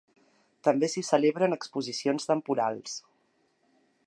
També s'hi celebren exposicions temporals.